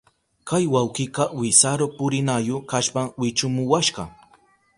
Kay wawkika wisaru purinayu kashpan wichumuwashka.